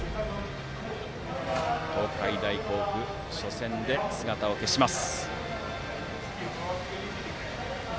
東海大甲府は初戦で姿を消します。